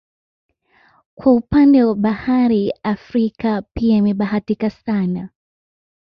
Kwa upande wa bahari Afrika pia imebahatika sana